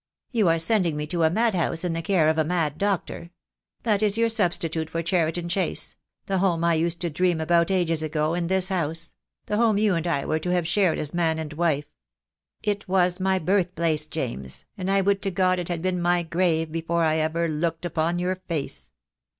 "You are sending me to a madhouse, in the care of a mad doctor. That is your substitute for Cheriton Chase; the home I used to dream about ages ago, in this house; the home you and I were to have shared as man 266 THE DAY WILL COME. and wife. It was my birth place, James, and I would to God it had been my grave before I ever looked upon your face!"